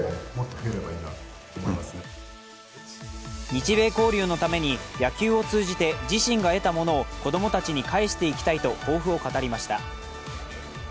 日米交流のために野球を通じて自身がえたものを子供たちに返していきたいと抱負を語りました。